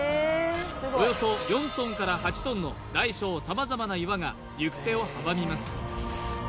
およそ４ｔから８ｔの大小さまざまな岩が行く手を阻みます